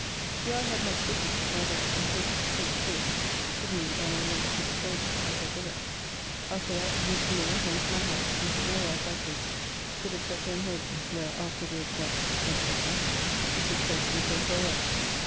Here I had much business with my Lord, and papers, great store, given me by my Lord to dispose of as of the rest. After that, with Mr. Moore home to my house and took my wife by coach to the Chequer in Holborn, where, after we had drank, &c., she took coach and so farewell.